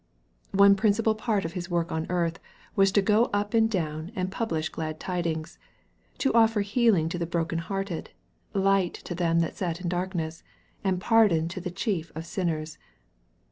One principal part of His work on earth, was to go up and down and publish glad tidings, to offer healing to the broken hearted, light to them that sat in darkness, and pardon to the chief ot sinners.